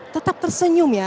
tetap tersenyum ya